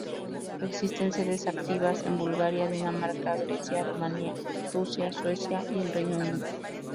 Existen sedes activas en Bulgaria, Dinamarca, Grecia, Rumania, Rusia, Suecia y el Reino Unido.